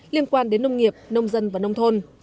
liên quan đến nông nghiệp nông dân và nông thôn